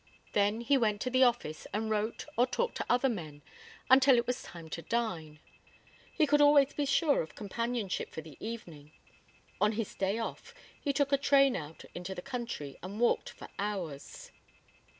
Then he went to the office and wrote or talked to other men until it was time to dine. He could always be sure of companionship for the evening. On his "day off" he took a train out into the country and walked for hours.